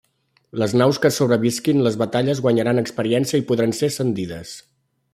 Les naus que sobrevisquin les batalles guanyaran experiència i podran ser ascendides.